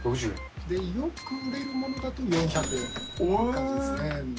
よく売れるものだと４００円って感じですね。